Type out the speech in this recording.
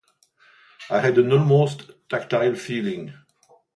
I had an almost tactile feeling.